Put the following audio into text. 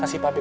ya sudah pak